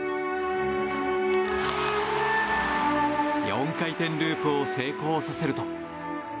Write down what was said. ４回転ループを成功させると。